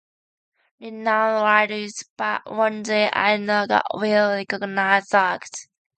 Renaud writes "But one day, I know God will recognise dogs".